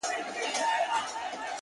سردونو ویښ نه کړای سو ـ